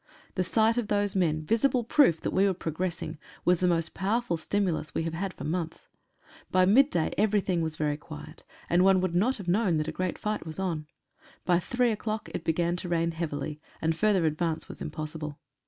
The sight of those men, — visible proof that we were progressing, was the most powerful stimulus we have had for months. By mid day everything was very quiet, and one would not have known that a great fight was on. By 3 o'clock it began to rain heavily, and further advance was impossible.